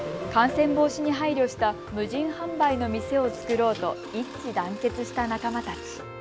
感染防止に配慮した無人販売の店を作ろうと一致団結した仲間たち。